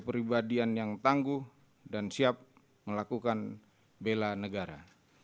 kepribadian yang tangguh dan siap melakukan bela negara